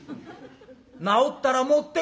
「治ったら持ってこい」。